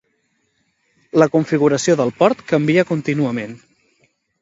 La configuració del port canvia contínuament.